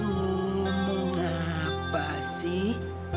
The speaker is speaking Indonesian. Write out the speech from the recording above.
umur apa sih